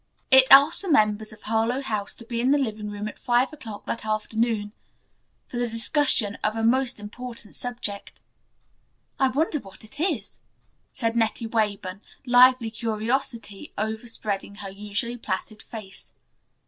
It asked the members of Harlowe House to be in the living room at five o'clock that afternoon for the discussion of a most important subject. "I wonder what it is," said Nettie Weyburn, lively curiosity overspreading her usually placid face.